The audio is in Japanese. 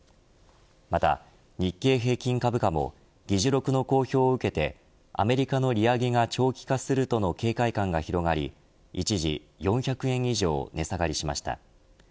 また日経平均株価も議事録の公表を受けてアメリカの利上げが長期化するとの警戒感が広がり一時４００円以上値下がりしました。